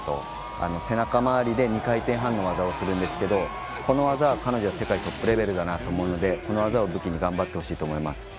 背中回りで２回転半の技をするんですがこの技は彼女が世界トップレベルだと思うのでこの技を武器に頑張ってほしいと思います。